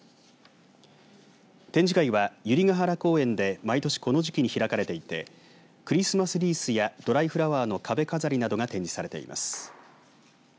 展示会は百合が原公園で毎年、この時期に開かれていてクリスマスリースやドライフラワーの壁飾りなどが展示されています。